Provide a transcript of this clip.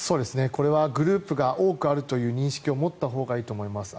これはグループが多くあるという認識を持ったほうがいいと思います。